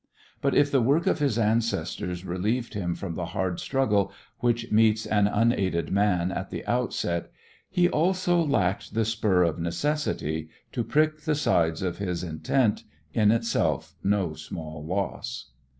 But if the work of his ancestors relieved him from the hard struggle which meets an unaided man at the outset, he also lacked the spur of necessity to prick the sides of his intent, in itself no small loss.